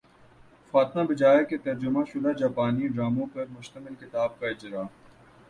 فاطمہ بجیا کے ترجمہ شدہ جاپانی ڈراموں پر مشتمل کتاب کا اجراء